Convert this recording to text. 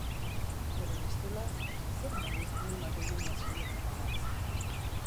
Edo bestela, zer moduz kilimak eginez saiatzen banaiz?